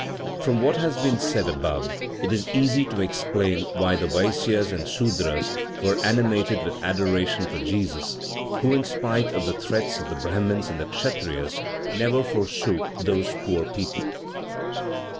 From what has been said above, it is easy to explain why the Vaisyas and Sudras were animated with adoration for Jesus, who, in spite of the threats of the Brahmins and Kshatriyas, never forsook those poor people.